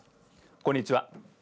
こんにちは。